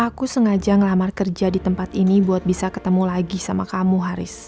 aku sengaja ngelamar kerja di tempat ini buat bisa ketemu lagi sama kamu haris